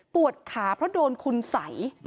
ขาเพราะโดนคุณสัย